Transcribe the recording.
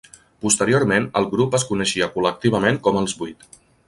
Posteriorment, el grup es coneixia col·lectivament com Els vuit.